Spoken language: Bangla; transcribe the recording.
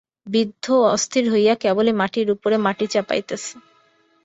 বৃদ্ধ অস্থির হইয়া কেবলই মাটির উপরে মাটি চাপাইতেছে।